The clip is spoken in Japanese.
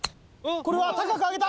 これは高く上げた！